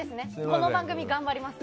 この番組頑張ります。